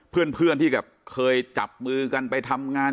เพื่อนที่แบบเคยจับมือกันไปทำงาน